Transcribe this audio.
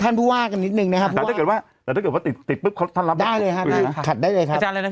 อาจารย์อะไร